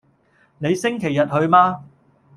你星期日去嗎？